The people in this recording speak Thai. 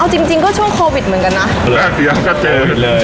เอ้าจริงจริงก็ช่วงโควิดเหมือนกันนะโควิดแรกเลย